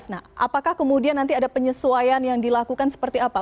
nah apakah kemudian nanti ada penyesuaian yang dilakukan seperti apa